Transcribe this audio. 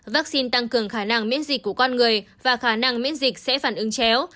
vaccine tăng cường khả năng miễn dịch của con người và khả năng miễn dịch sẽ phản ứng chéo